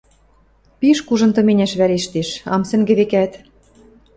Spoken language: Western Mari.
— Пиш кужын тыменяш вӓрештеш, ам сӹнгӹ, векӓт.